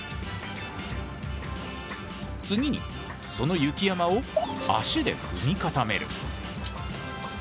次にその雪山を足で踏み固める。